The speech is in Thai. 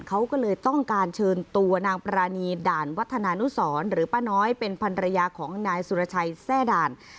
เขาก็เลยต้องการเชิญตัวนางปรานีด่านวัฒนานุสรหรือป้าน้อยเป็นพันรยาของนายสุรชัยแทร่ด่าน